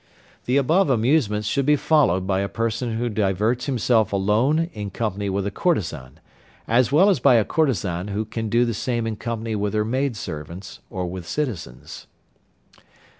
The above amusements should be followed by a person who diverts himself alone in company with a courtesan, as well as by a courtesan who can do the same in company with her maid servants or with citizens.